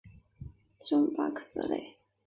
里姆巴克泽勒。